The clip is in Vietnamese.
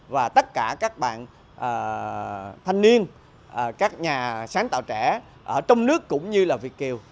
và tất cả các bạn thanh niên các nhà sáng tạo trẻ ở trong nước cũng như là việt kiều